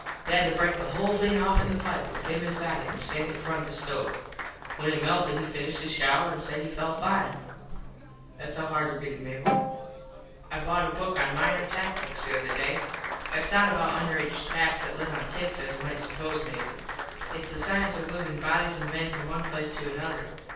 They had to break the whole thing offen the pipe with him inside it an stand it in front of the stove. When it melted he finished his shouer an said he felt fine. Thats how hard were gettin, Mable. I bought a book on Minor Tackticks the other day. Thats not about underaged tacks that live on ticks as you might suppose, Mable. Its the cience of movin bodies of men from one place to another.